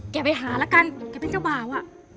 แกไปหาละกันแกเป็นเจ้าบ่าว